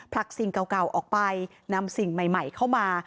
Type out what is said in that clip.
ผลักสิ่งเก่าออกไปนำสิ่งใหม่เข้ามา